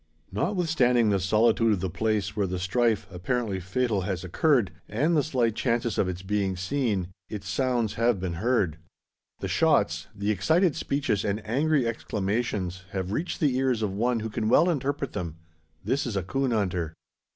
Notwithstanding the solitude of the place where the strife, apparently fatal, has occurred, and the slight chances of its being seen, its sounds have been heard. The shots, the excited speeches, and angry exclamations, have reached the ears of one who can well interpret them. This is a coon hunter.